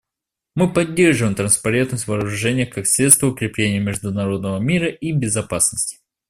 Мы поддерживаем транспарентность в вооружениях как средство укрепления международного мира и безопасности.